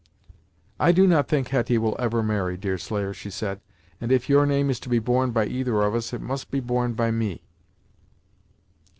"I do not think Hetty will ever marry, Deerslayer," she said, "and if your name is to be borne by either of us, it must be borne by me."